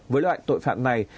với loại tội phạm này